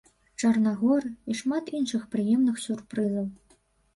Чарнагорыі і шмат іншых прыемных сюрпрызаў.